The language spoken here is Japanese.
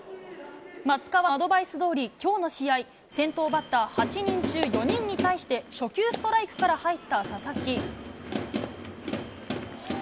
松川のアドバイスどおり、きょうの試合、先頭バッター８人中４人に対して、初球ストライクから入った佐々木。